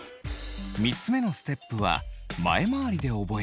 ３つ目のステップは前回りで覚えます。